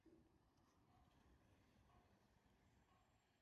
La vella pesa figues.